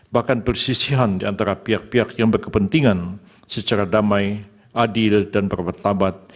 bahkan persisihan diantara pihak pihak yang berkepentingan secara damai adil dan berpertabat